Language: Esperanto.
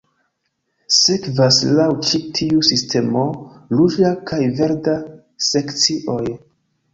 Sekvas laŭ ĉi tiu sistemo ruĝa kaj verda sekcioj.